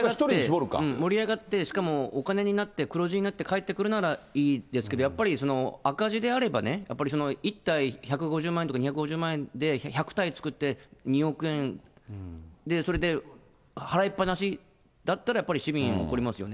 盛り上がって、しかもお金になって、黒字になって返ってくるならいいですけど、やっぱり赤字であればね、やっぱり１体１５０万とか２５０万円で１００体作って２億円で、それで払いっぱなしだったらやっぱり市民、怒りますよね。